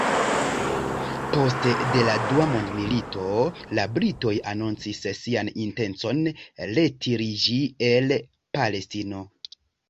Poste de la Dua Mondmilito, la britoj anoncis sian intencon retiriĝi el Palestino.